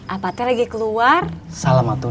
apa teh lagi keluar salamat uda dari mana